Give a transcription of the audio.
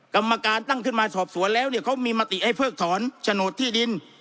กรรมการตั้งขึ้นมาสอบสวนแล้วเนี่ยเขามีมติให้เพิกถอนโฉนดที่ดิน